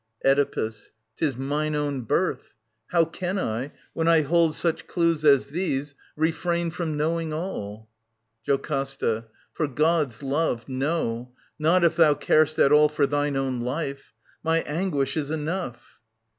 Oedipus. Tis mine own birth. How can I, when I hold Such clues as these, refrain from knowing all ? JoCASTA. For God's love, no ! Not if thou car'st at all For thine own life. ... My anguish is enough.